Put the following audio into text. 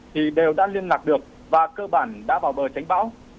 thì đều đã liên lạc được và cơ bản đã vào bờ tránh bão